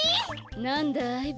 なんだい？